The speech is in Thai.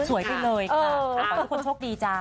สวยไปเลยค่ะขอทุกคนโชคดีจ้า